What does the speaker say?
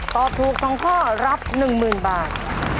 ตอบถูก๒ข้อรับ๑๐๐๐บาท